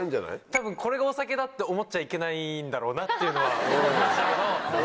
多分これがお酒だって思っちゃいけないんだろうなっていうのは思いましたけど。